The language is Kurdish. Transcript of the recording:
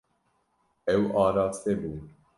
Ew araste bû.